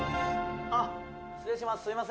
あっ失礼します。